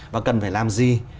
và cần phải làm gì